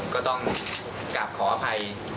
ก็ต้องกลับขออภัย